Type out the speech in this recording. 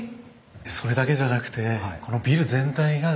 それだけじゃなくてこのビル全体がですね